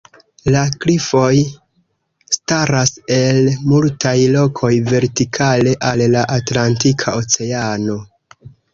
La klifoj staras el multaj lokoj vertikale al la Atlantika oceano.